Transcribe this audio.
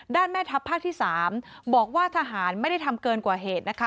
แม่ทัพภาคที่๓บอกว่าทหารไม่ได้ทำเกินกว่าเหตุนะคะ